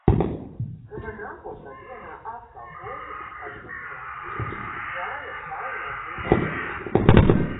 Tomēr nākošā dienā atkal puikas, paņemot Imantu līdzi, gāja ar šaujamo pulveri uz mežu.